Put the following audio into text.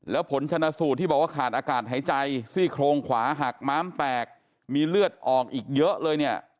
แล้วผลชนะสูตรที่บอกว่าขาดอากาศหายใจซี่โครงขวาหักม้ามแตกมีเลือดออกอีกเยอะเลยเนี่ย